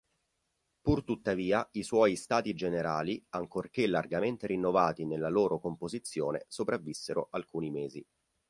Purtuttavia, i suoi "Stati Generali", ancorché largamente rinnovati nella loro composizione, sopravvissero alcuni mesi.